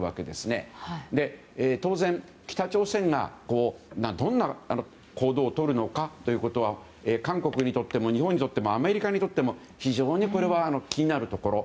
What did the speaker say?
当然、北朝鮮がどんな行動をとるのかということは韓国にとっても日本にとってもアメリカにとっても非常に気になるところ。